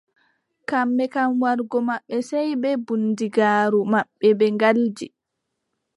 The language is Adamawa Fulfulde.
Kamɓe kam warugo maɓɓe sey bee bundigaaru maɓɓe ɓe ngaddi.